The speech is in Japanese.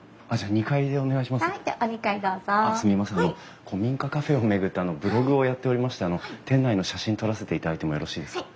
あの古民家カフェを巡ってブログをやっておりまして店内の写真撮らせていただいてもよろしいですか？